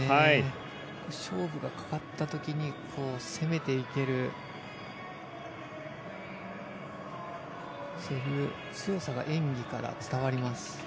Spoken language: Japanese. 勝負がかかった時に攻めていけるそういう強さが演技から伝わります。